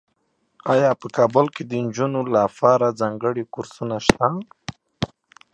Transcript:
ایا په کابل کې د نجونو لپاره ځانګړي کورسونه شته؟